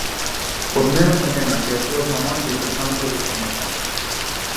Os nenos e nenas, e as súas mamás, disfrazáronse de chineses.